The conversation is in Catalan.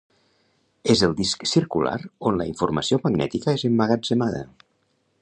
És el disc circular on la informació magnètica és emmagatzemada.